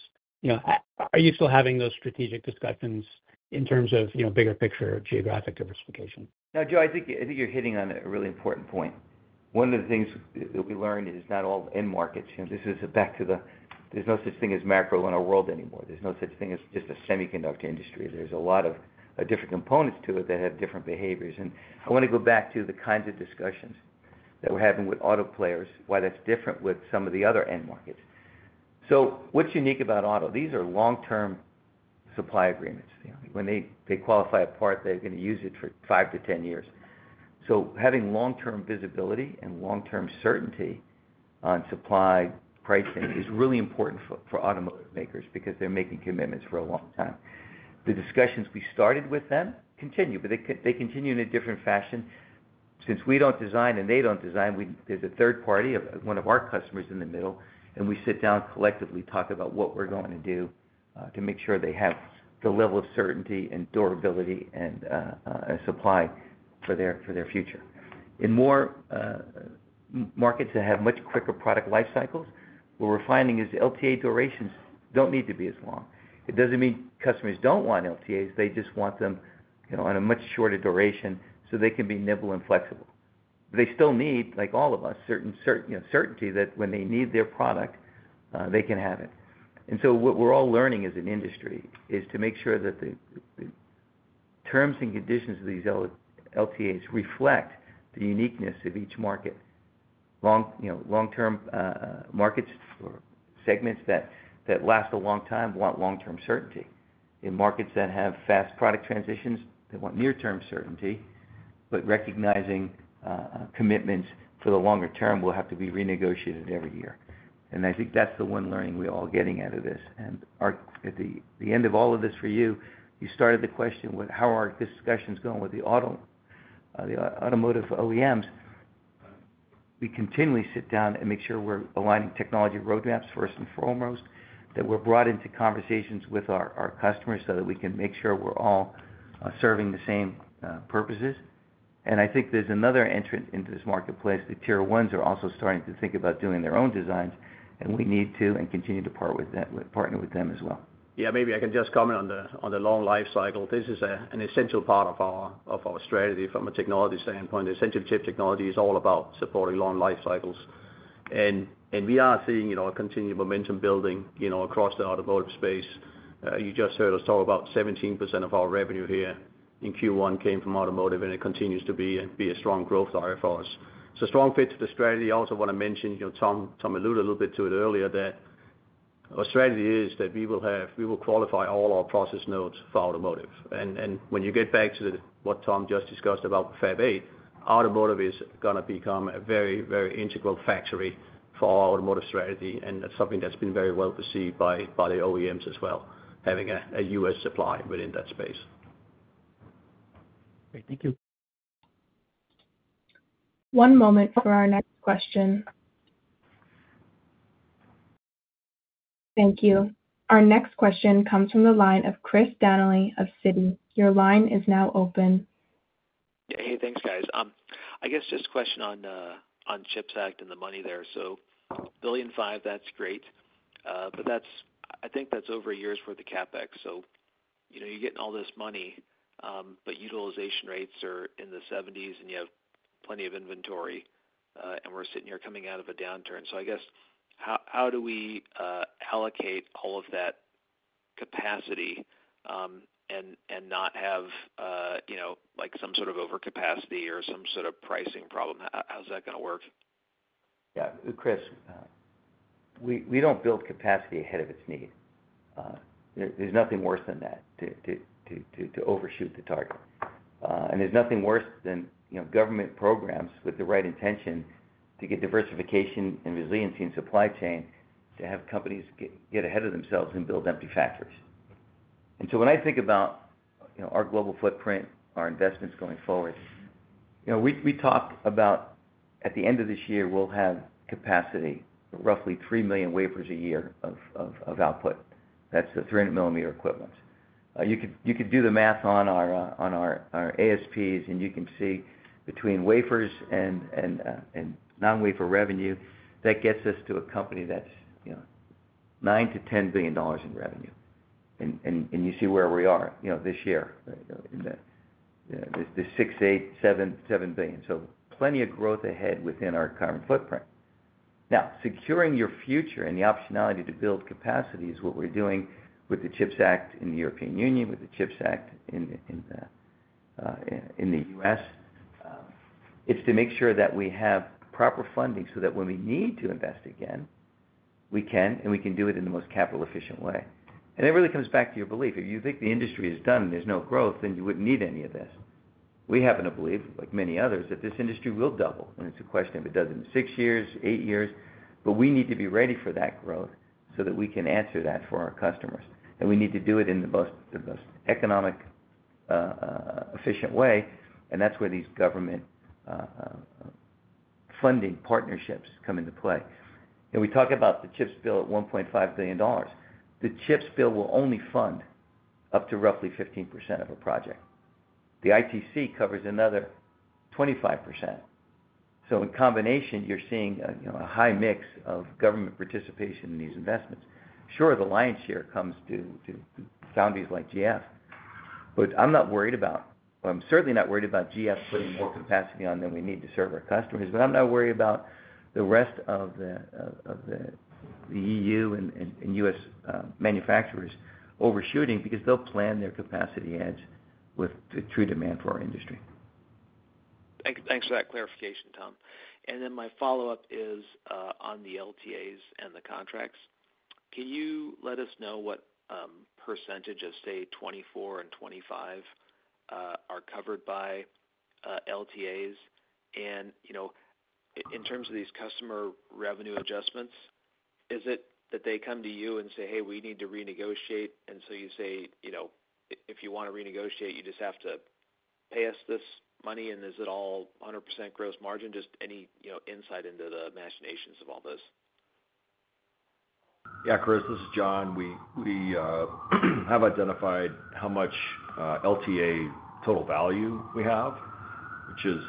H: Are you still having those strategic discussions in terms of bigger picture geographic diversification?
C: Now, Joe, I think you're hitting on a really important point. One of the things that we learned is not all end markets. This is back to the, there's no such thing as macro in our world anymore. There's no such thing as just a semiconductor industry. There's a lot of different components to it that have different behaviors. I want to go back to the kinds of discussions that we're having with auto players, why that's different with some of the other end markets. So what's unique about auto? These are long-term supply agreements. When they qualify a part, they're going to use it for five to 10 years. So having long-term visibility and long-term certainty on supply pricing is really important for automotive makers because they're making commitments for a long time. The discussions we started with them continue, but they continue in a different fashion. Since we don't design and they don't design, there's a third party, one of our customers in the middle, and we sit down collectively, talk about what we're going to do to make sure they have the level of certainty and durability and supply for their future. In more markets that have much quicker product life cycles, what we're finding is LTA durations don't need to be as long. It doesn't mean customers don't want LTAs. They just want them on a much shorter duration so they can be nimble and flexible. But they still need, like all of us, certainty that when they need their product, they can have it. And so what we're all learning as an industry is to make sure that the terms and conditions of these LTAs reflect the uniqueness of each market. Long-term markets or segments that last a long time want long-term certainty. In markets that have fast product transitions, they want near-term certainty, but recognizing commitments for the longer term will have to be renegotiated every year. I think that's the one learning we're all getting out of this. At the end of all of this for you, you started the question with how are the discussions going with the automotive OEMs. We continually sit down and make sure we're aligning technology roadmaps first and foremost, that we're brought into conversations with our customers so that we can make sure we're all serving the same purposes. I think there's another entrant into this marketplace. The tier ones are also starting to think about doing their own designs, and we need to and continue to partner with them as well.
I: Yeah. Maybe I can just comment on the long life cycle. This is an essential part of our strategy from a technology standpoint. Essential chip technology is all about supporting long life cycles. And we are seeing a continued momentum building across the automotive space. You just heard us talk about 17% of our revenue here in Q1 came from automotive, and it continues to be a strong growth driver for us. So a strong fit to the strategy. I also want to mention Tom alluded a little bit to it earlier that our strategy is that we will qualify all our process nodes for automotive. And when you get back to what Tom just discussed about Fab 8, automotive is going to become a very, very integral factory for our automotive strategy. That's something that's been very well perceived by the OEMs as well, having a U.S. supply within that space.
H: Great. Thank you.
A: One moment for our next question. Thank you. Our next question comes from the line of Chris Danely of Citi. Your line is now open.
J: Hey. Thanks, guys. I guess just a question on CHIPS Act and the money there. So, $1.5 billion, that's great. But I think that's over a year's worth of CapEx. So you're getting all this money, but utilization rates are in the 70s, and you have plenty of inventory. And we're sitting here coming out of a downturn. So I guess how do we allocate all of that capacity and not have some sort of overcapacity or some sort of pricing problem? How's that going to work?
C: Yeah. Chris, we don't build capacity ahead of its need. There's nothing worse than that, to overshoot the target. And there's nothing worse than government programs with the right intention to get diversification and resiliency in supply chain, to have companies get ahead of themselves and build empty factories. And so when I think about our global footprint, our investments going forward, we talk about at the end of this year, we'll have capacity, roughly 3 million wafers a year of output. That's the 300-millimeter equipment. You could do the math on our ASPs, and you can see between wafers and non-wafer revenue, that gets us to a company that's $9 billion-$10 billion in revenue. And you see where we are this year in the $6.8-$7 billion. So plenty of growth ahead within our current footprint. Now, securing your future and the optionality to build capacity is what we're doing with the CHIPS Act in the European Union, with the CHIPS Act in the U.S. It's to make sure that we have proper funding so that when we need to invest again, we can, and we can do it in the most capital-efficient way. It really comes back to your belief. If you think the industry is done and there's no growth, then you wouldn't need any of this. We happen to believe, like many others, that this industry will double. It's a question of it does in six years, eight years. But we need to be ready for that growth so that we can answer that for our customers. We need to do it in the most economic-efficient way. That's where these government funding partnerships come into play. We talk about the CHIPS bill at $1.5 billion. The CHIPS bill will only fund up to roughly 15% of a project. The ITC covers another 25%. So in combination, you're seeing a high mix of government participation in these investments. Sure, the lion's share comes to foundries like GF. But I'm not worried about. I'm certainly not worried about GF putting more capacity on than we need to serve our customers. But I'm not worried about the rest of the EU and US manufacturers overshooting because they'll plan their capacity hedge with true demand for our industry.
J: Thanks for that clarification, Tom. Then my follow-up is on the LTAs and the contracts. Can you let us know what percentage of, say, 2024 and 2025 are covered by LTAs? And in terms of these customer revenue adjustments, is it that they come to you and say, "Hey, we need to renegotiate"? And so you say, "If you want to renegotiate, you just have to pay us this money, and is it all 100% gross margin?" Just any insight into the machinations of all this?
D: Yeah, Chris. This is John. We have identified how much LTA total value we have, which is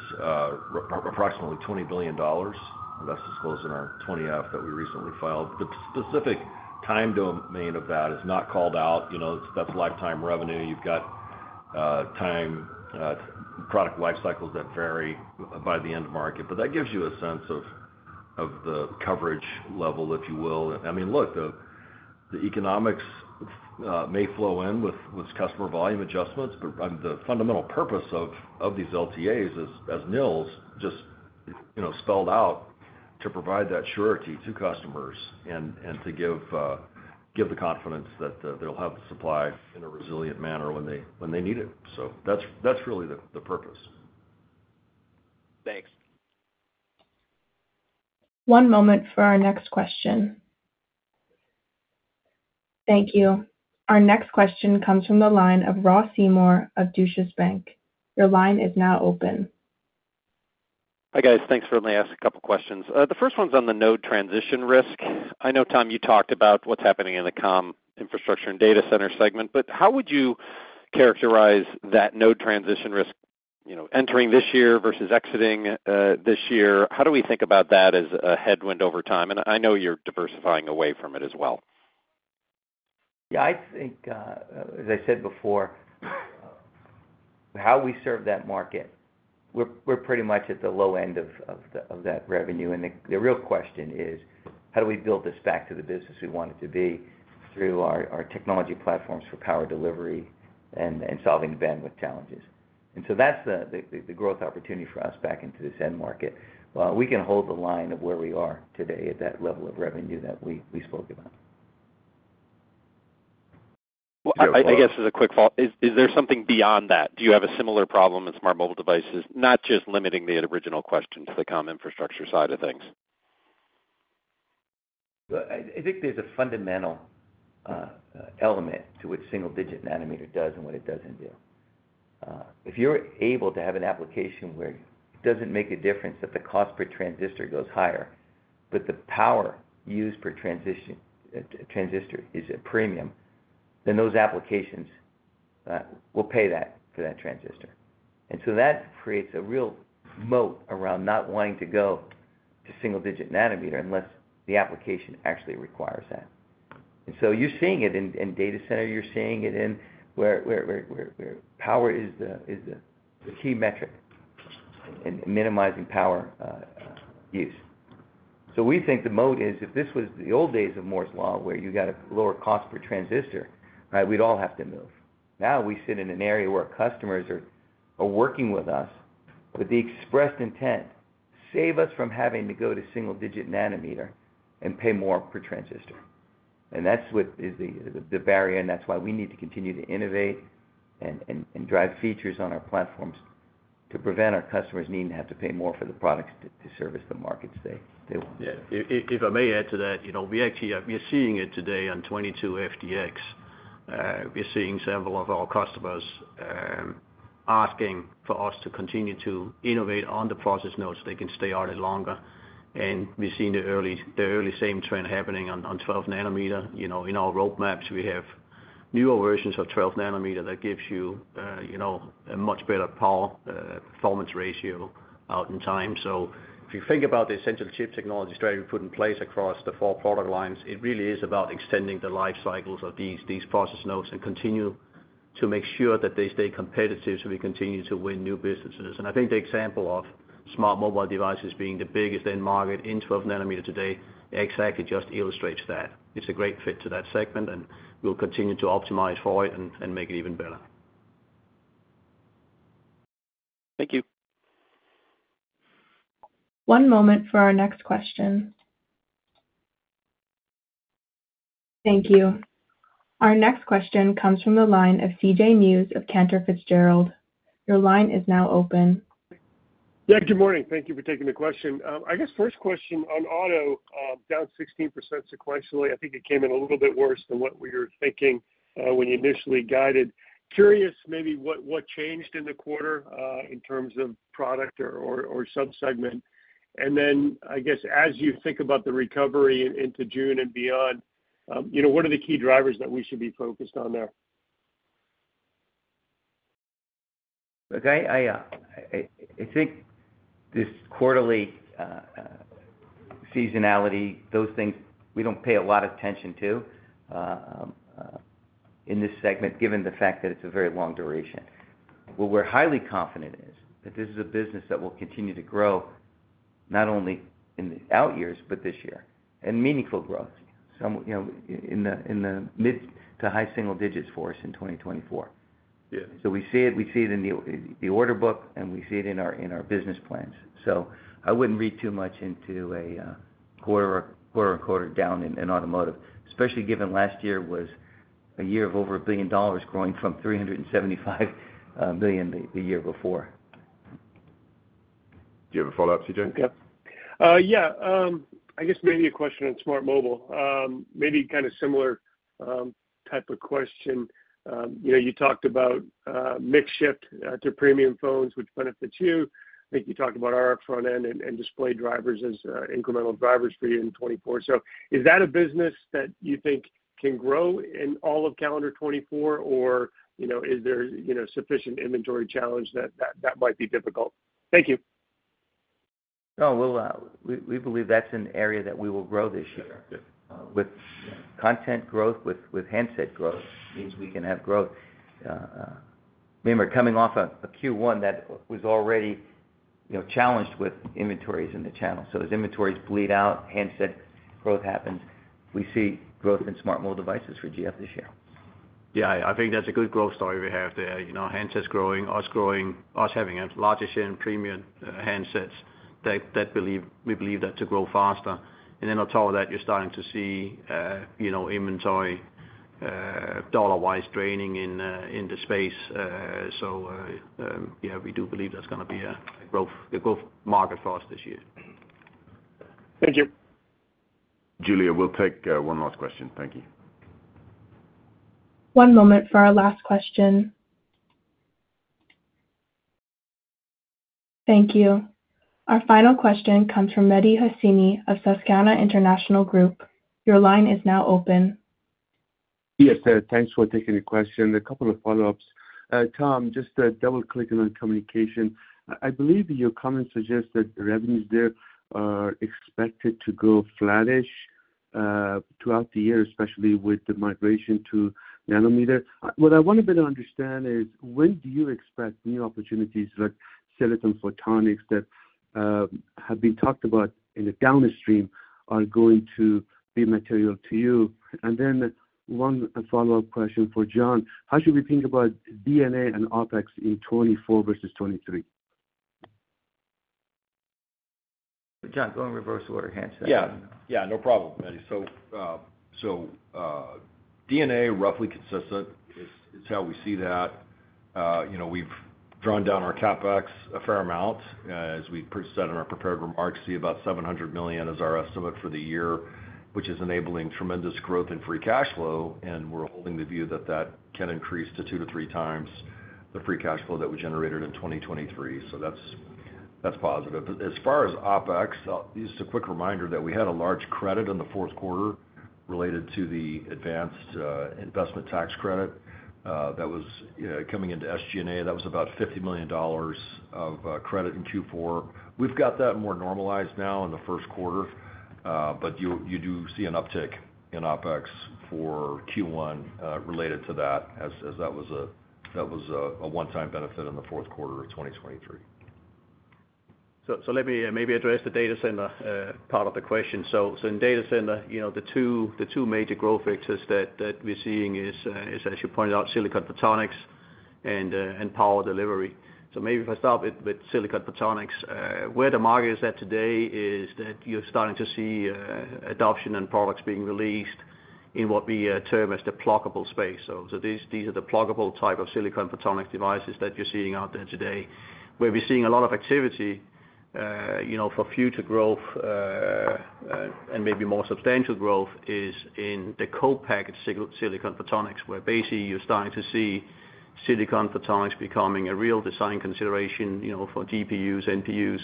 D: approximately $20 billion. That's disclosed in our 20-F that we recently filed. The specific time domain of that is not called out. That's lifetime revenue. You've got product life cycles that vary by the end market. But that gives you a sense of the coverage level, if you will. I mean, look, the economics may flow in with customer volume adjustments. But the fundamental purpose of these LTAs, as Niels just spelled out, to provide that surety to customers and to give the confidence that they'll have the supply in a resilient manner when they need it. So that's really the purpose.
J: Thanks.
A: One moment for our next question. Thank you. Our next question comes from the line of Ross Seymore of Deutsche Bank. Your line is now open.
K: Hi, guys. Thanks for letting me ask a couple of questions. The first one's on the node transition risk. I know, Tom, you talked about what's happening in the comm infrastructure and data center segment. But how would you characterize that node transition risk, entering this year versus exiting this year? How do we think about that as a headwind over time? And I know you're diversifying away from it as well?
C: Yeah. As I said before, how we serve that market, we're pretty much at the low end of that revenue. The real question is, how do we build this back to the business we want it to be through our technology platforms for power delivery and solving the bandwidth challenges? So that's the growth opportunity for us back into this end market. We can hold the line of where we are today at that level of revenue that we spoke about.
K: I guess as a quick follow-up, is there something beyond that? Do you have a similar problem in smart mobile devices, not just limiting the original question to the comm infrastructure side of things?
C: I think there's a fundamental element to what single-digit nanometer does and what it doesn't do. If you're able to have an application where it doesn't make a difference that the cost per transistor goes higher, but the power used per transistor is a premium, then those applications will pay for that transistor. And so that creates a real moat around not wanting to go to single-digit nanometer unless the application actually requires that. And so you're seeing it in data center. You're seeing it where power is the key metric in minimizing power use. So we think the moat is if this was the old days of Moore's Law where you got a lower cost per transistor, right, we'd all have to move. Now, we sit in an area where customers are working with us with the expressed intent, "Save us from having to go to single-digit nanometer and pay more per transistor." That's what is the barrier. That's why we need to continue to innovate and drive features on our platforms to prevent our customers needing to have to pay more for the products to service the markets they want.
I: Yeah. If I may add to that, we're seeing it today on 22FDX. We're seeing several of our customers asking for us to continue to innovate on the process nodes so they can stay on it longer. And we're seeing the early same trend happening on 12 nanometer. In our roadmaps, we have newer versions of 12 nanometer that gives you a much better power performance ratio out in time. So if you think about the essential chip technology strategy we put in place across the four product lines, it really is about extending the life cycles of these process nodes and continue to make sure that they stay competitive so we continue to win new businesses. And I think the example of smart mobile devices being the biggest end market in 12 nanometer today exactly just illustrates that. It's a great fit to that segment. We'll continue to optimize for it and make it even better.
K: Thank you.
A: One moment for our next question. Thank you. Our next question comes from the line of CJ Muse of Cantor Fitzgerald. Your line is now open.
L: Yeah. Good morning. Thank you for taking the question. I guess first question on auto, down 16% sequentially. I think it came in a little bit worse than what we were thinking when you initially guided. Curious maybe what changed in the quarter in terms of product or subsegment? And then I guess as you think about the recovery into June and beyond, what are the key drivers that we should be focused on there?
C: Okay. I think this quarterly seasonality, those things, we don't pay a lot of attention to in this segment, given the fact that it's a very long duration. What we're highly confident in is that this is a business that will continue to grow not only in the out years, but this year, and meaningful growth in the mid- to high-single digits for us in 2024. So we see it. We see it in the order book, and we see it in our business plans. So I wouldn't read too much into a quarter-over-quarter down in automotive, especially given last year was a year of over $1 billion growing from $375 million the year before.
D: Do you have a follow-up, CJ?
L: Okay. Yeah. I guess maybe a question on smart mobile. Maybe kind of similar type of question. You talked about mixed-shift to premium phones, which benefits you. I think you talked about RF front-end and display drivers as incremental drivers for you in 2024. So is that a business that you think can grow in all of calendar 2024, or is there sufficient inventory challenge that that might be difficult? Thank you.
C: Oh, well, we believe that's an area that we will grow this year. Content growth with handset growth means we can have growth. I mean, we're coming off a Q1 that was already challenged with inventories in the channel. So as inventories bleed out, handset growth happens. We see growth in smart mobile devices for GF this year.
I: Yeah. I think that's a good growth story we have there. Handsets growing, us growing, us having largest-end premium handsets. We believe that to grow faster. And then on top of that, you're starting to see inventory dollar-wise draining in the space. So yeah, we do believe that's going to be a growth market for us this year.
L: Thank you.
D: Julia, we'll take one last question. Thank you.
A: One moment for our last question. Thank you. Our final question comes from Mehdi Hosseini of Susquehanna International Group. Your line is now open.
M: Yes, sir. Thanks for taking the question. A couple of follow-ups. Tom, just double-clicking on communication. I believe your comment suggests that revenues there are expected to go flattish throughout the year, especially with the migration to nanometer. What I want a bit to understand is, when do you expect new opportunities like silicon photonics that have been talked about in the downstream are going to be material to you? And then one follow-up question for John. How should we think about D&A and OpEx in 2024 versus 2023?
I: John, go on reverse order, hands down.
D: Yeah. Yeah. No problem, Mehdi. So D&A, roughly consistent, is how we see that. We've drawn down our CapEx a fair amount. As we said in our prepared remarks, see about $700 million as our estimate for the year, which is enabling tremendous growth in free cash flow. And we're holding the view that that can increase to 2-3 times the free cash flow that we generated in 2023. So that's positive. As far as OpEx, just a quick reminder that we had a large credit in the fourth quarter related to the advanced investment tax credit that was coming into SG&A. That was about $50 million of credit in Q4. We've got that more normalized now in the first quarter. But you do see an uptick in OpEx for Q1 related to that, as that was a one-time benefit in the fourth quarter of 2023.
I: So let me maybe address the data center part of the question. So in data center, the two major growth vectors that we're seeing is, as you pointed out, silicon photonics and power delivery. So maybe if I start with silicon photonics, where the market is at today is that you're starting to see adoption and products being released in what we term as the pluggable space. So these are the pluggable type of silicon photonics devices that you're seeing out there today. Where we're seeing a lot of activity for future growth and maybe more substantial growth is in the co-packed silicon photonics, where basically you're starting to see silicon photonics becoming a real design consideration for GPUs, NPUs,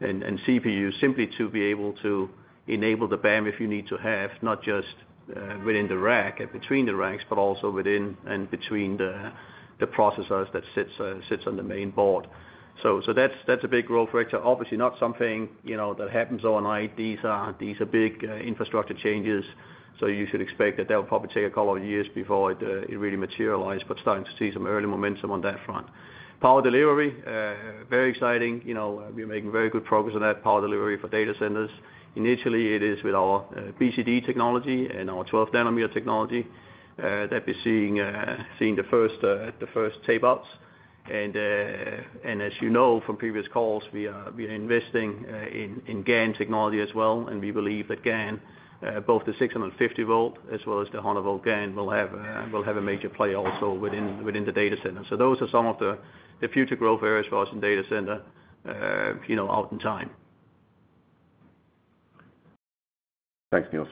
I: and CPUs, simply to be able to enable the bandwidth if you need to have, not just within the rack and between the racks, but also within and between the processors that sits on the main board. So that's a big growth vector. Obviously, not something that happens overnight. These are big infrastructure changes. So you should expect that that will probably take a couple of years before it really materializes. But starting to see some early momentum on that front. Power delivery, very exciting. We're making very good progress on that, power delivery for data centers. Initially, it is with our BCD technology and our 12 nanometer technology that we're seeing the first tape-outs. As you know from previous calls, we are investing in GaN technology as well. We believe that GaN, both the 650-volt as well as the 100-volt GaN, will have a major play also within the data center. Those are some of the future growth areas for us in data center over time.
D: Thanks, Niels.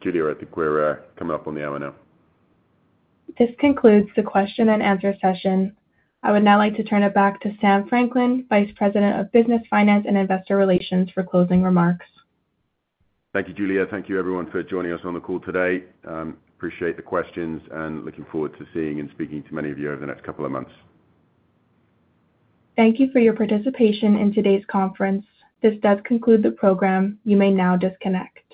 D: Julia, I think we're coming up on the hour now.
A: This concludes the question-and-answer session. I would now like to turn it back to Sam Franklin, Vice President of Business Finance and Investor Relations, for closing remarks.
B: Thank you, Julia. Thank you, everyone, for joining us on the call today. Appreciate the questions and looking forward to seeing and speaking to many of you over the next couple of months.
A: Thank you for your participation in today's conference. This does conclude the program. You may now disconnect.